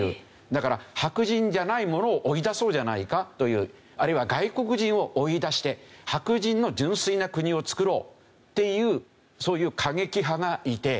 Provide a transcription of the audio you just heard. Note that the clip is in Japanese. だから白人じゃない者を追い出そうじゃないかというあるいは外国人を追い出して白人の純粋な国をつくろうっていうそういう過激派がいて。